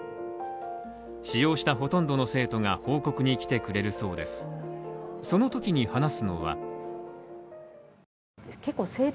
使用したほとんどの生徒が、報告に来てくれるそうです。